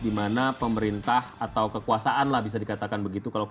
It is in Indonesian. dimana pemerintah atau kekuasaan lah bisa dikatakan begitu